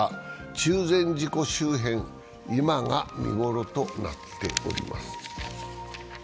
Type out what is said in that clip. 中禅寺湖周辺、今が見頃となっております。